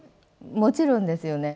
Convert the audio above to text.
もちろんですよね。